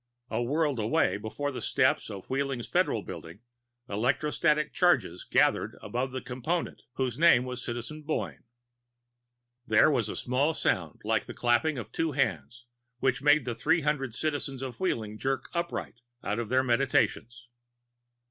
A world away, before the steps of Wheeling's Federal Building, electrostatic charges gathered above a component whose name was Citizen Boyne. There was a small sound like the clapping of two hands which made the three hundred citizens of Wheeling jerk upright out of their meditations.